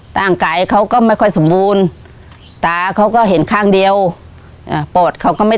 ร่างกายเขาก็ไม่ค่อยสมบูรณ์ตาเขาก็เห็นข้างเดียวปอดเขาก็ไม่